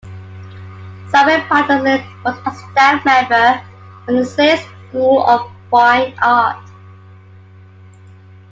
Simon Patterson was a staff member at the Slade School of Fine Art.